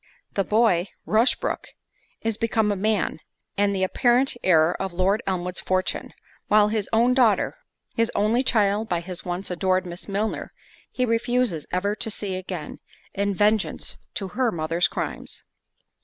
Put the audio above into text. The boy, Rushbrook, is become a man, and the apparent heir of Lord Elmwood's fortune; while his own daughter, his only child by his once adored Miss Milner, he refuses ever to see again, in vengeance to her mother's crimes.